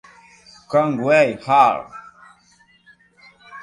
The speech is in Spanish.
Conway Hall.